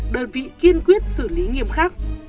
đợt vy kiên quyết xử lý nghiêm khắc